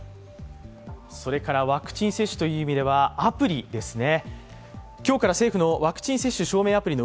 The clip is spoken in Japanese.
それからワクチン接種という意味ではアプリですね。